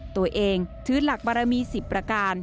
ตัวเองถือหลักบารมี๑๐ประการ